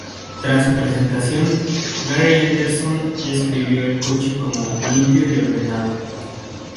Tras su presentación, Gary Anderson describió el coche como "limpio y ordenado".